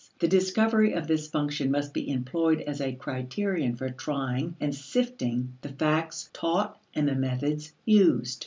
The discovery of this function must be employed as a criterion for trying and sifting the facts taught and the methods used.